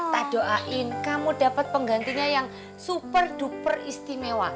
kita doain kamu dapat penggantinya yang super duper istimewa